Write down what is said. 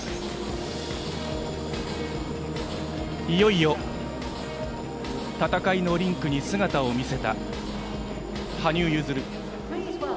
いよいよ戦いのリンクに姿を見せた羽生結弦。